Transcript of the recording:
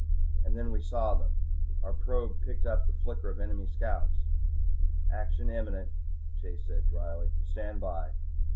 And then we saw them. Our probe picked up the flicker of enemy scouts. "Action imminent," Chase said drily. "Stand by."